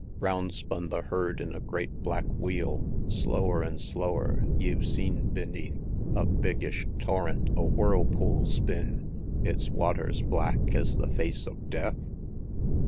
Round spun the herd in a great black wheel, Slower an' slower ye've seen beneath A biggish torrent a whirlpool spin, Its waters black es the face of Death?